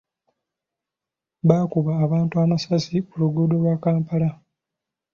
Baakuba abantu amasasi ku luguudo lwa Kampala.